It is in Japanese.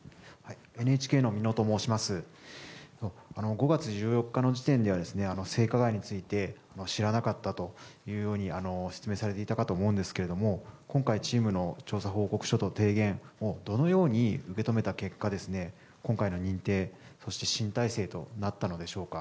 ５月１４日の時点では性加害について知らなかったというふうに説明されていたかと思うんですけども今回、チームの調査報告書と提言をどのように受け止めた結果今回の認定、そして新体制となったのでしょうか。